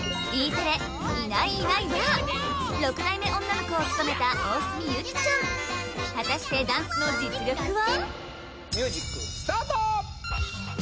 テレ６代目女の子を務めた大角ゆきちゃん果たしてダンスの実力は？